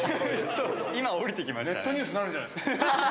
今、降りてきました。